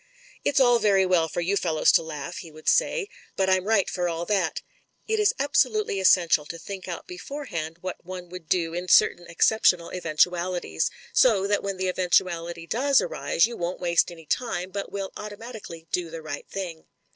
"It's all very well for you fellows to laugh," he would say, *T)ut I'm right for all that. It is abso lutely essential to think out beforehand what one would do in certain exceptional eventualities, so that when that eventuality does arise you won't waste any time, but will automatically do the right thing."